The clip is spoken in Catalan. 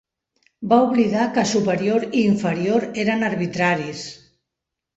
Va oblidar que "superior" i "inferior" eren arbitraris.